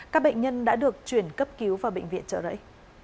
các bệnh nhân đã được chuyển cấp cứu vào bệnh viện trợ rẫy